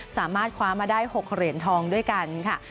สามารถคว้ามาได้๖เหรียญทองด้วยกันค่ะ